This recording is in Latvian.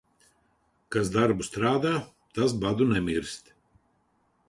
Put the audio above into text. Kas darbu strādā, tas badu nemirst.